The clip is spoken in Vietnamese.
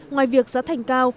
ngoài việc giá thành cao